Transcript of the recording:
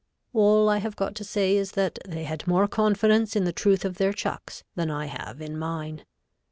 All I have got to say is that they had more confidence in the truth of their chucks than I have in mine.